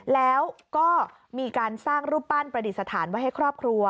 แล้วก็มีการสร้างรูปปั้นประดิษฐานไว้ให้ครอบครัว